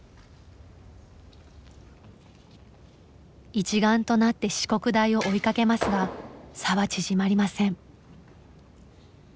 一丸となって四国大を追いかけますが差は縮まりません。